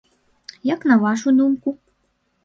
Як на вашу думку?